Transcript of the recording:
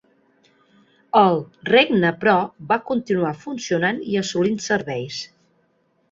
El regne però va continuar funcionant i assolint serveis.